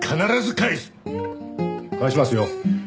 返しますよ。